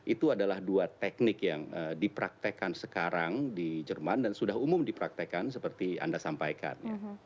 itu adalah dua teknik yang dipraktekan sekarang di jerman dan sudah umum dipraktekan seperti anda sampaikan